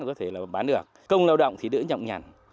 có thể là bán được công lao động thì đỡ nhọc nhằn